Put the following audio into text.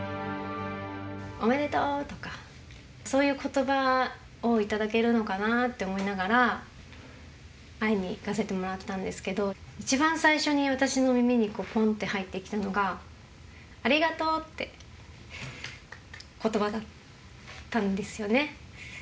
おめでとうとか、そういうことばを頂けるのかなって思いながら、会いに行かせてもらったんですけれども、一番最初に私の耳に、ぽんと入ってきたのが、ありがとうってことばだったんですよね。